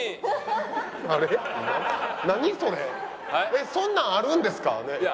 えっそんなんあるんですか？